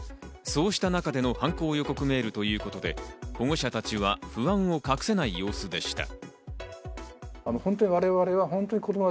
そうした中での犯行予告メールということで、保護者たちは不安を隠せない様子でした。